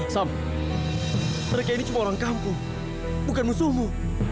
sam mereka ini cuma orang kampung bukan musuhmu